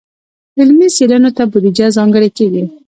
علمي څیړنو ته بودیجه ځانګړې کیږي.